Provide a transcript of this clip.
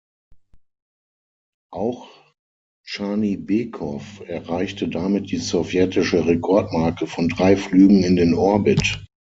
Auch Dschanibekow erreichte damit die sowjetische Rekordmarke von drei Flügen in den Orbit.